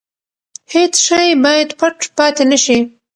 هیڅ شی باید پټ پاتې نه شي.